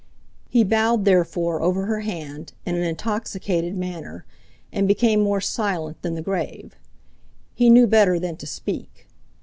He bowed therefore over her hand in an intoxicated manner, and became more silent than the grave. He knew better than to speak.